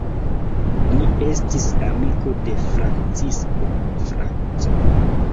Li estis amiko de Francisco Franco.